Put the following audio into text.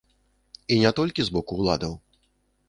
І не толькі з боку ўладаў.